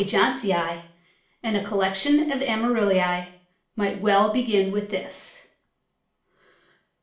Johnsonii, and a collec tion of Amarylli might well begin with this.